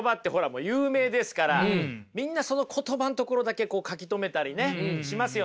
もう有名ですからみんなその言葉のところだけこう書き留めたりねしますよね。